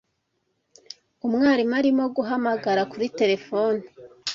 Umwarimu arimo guhamagara kuri terefone.